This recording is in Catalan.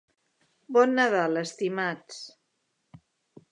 Bon Nadal, estimats.